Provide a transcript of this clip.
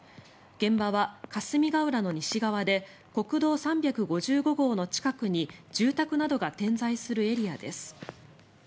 現場は霞ヶ浦の西側で国道３５５号の近くに住宅などが点在するエリアです。